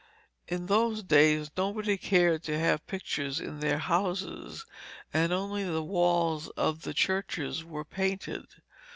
In those days nobody cared to have pictures in their houses, and only the walls of the churches were painted.